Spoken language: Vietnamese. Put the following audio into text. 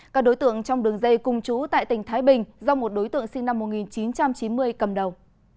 các đối tượng trong đường dây cung trú tại tỉnh thái bình do một đối tượng sinh năm một nghìn chín trăm chín mươi cầm đầu